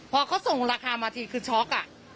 พอเขาส่งราคามาทีคือช็อก